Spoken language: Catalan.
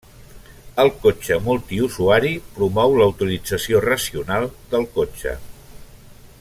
El cotxe multiusuari promou la utilització racional del cotxe.